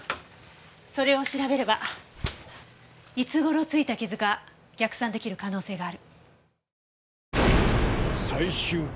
それを調べればいつ頃ついた傷か逆算出来る可能性がある。